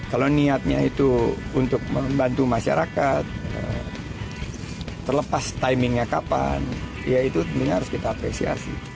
kalau niatnya itu untuk membantu masyarakat terlepas timingnya kapan ya itu tentunya harus kita apresiasi